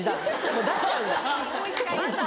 もう出しちゃうんだ。